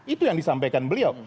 itu yang disampaikan beliau